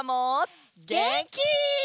げんき！